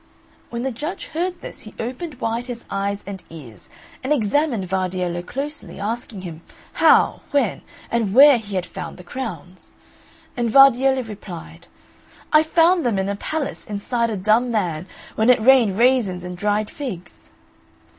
When the judge heard this he opened wide his eyes and ears, and examined Vardiello closely, asking him how, when, and where he had found the crowns. And Vardiello replied, "I found them in a palace, inside a dumb man, when it rained raisins and dried figs."